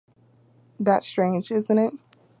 That's strange isnt it?